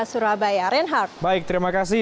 surabaya reinhard baik terima kasih